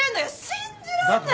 信じらんない！